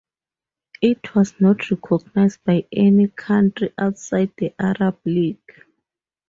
It was not recognized by any country outside the Arab League.